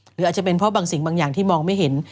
หรืออาจจะเป็นเพราะบางสิ่งบางอย่างที่มองไม่เห็น